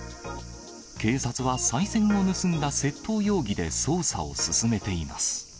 警察はさい銭を盗んだ窃盗容疑で捜査を進めています。